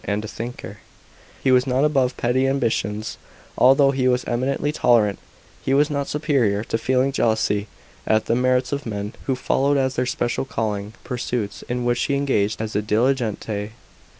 and a thinker, he was not above petty ambitions ; although he was eminently tolerant, he was not superior to feeling jealousy at the merits of men who followtd as their special calling pursuits in which he engaged as a dilettante.